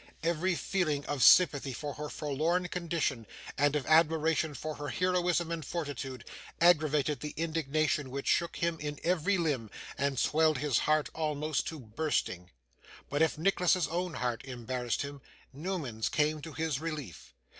Every feeling of sympathy for her forlorn condition, and of admiration for her heroism and fortitude, aggravated the indignation which shook him in every limb, and swelled his heart almost to bursting. But, if Nicholas's own heart embarrassed him, Newman's came to his relief.